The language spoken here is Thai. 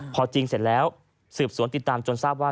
พอจริงเสร็จแล้วสืบสวนติดตามจนทราบว่า